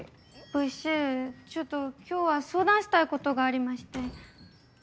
ブーシーちょっと今日は相談したいことがありまして。